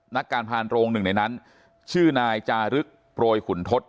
นักการพานโรงหนึ่งในนั้นชื่อนายจารึกโปรยขุนทศ